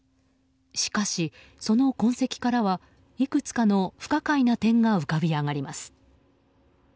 しかし、その痕跡からはいくつかの不可解な点が浮かび上がります。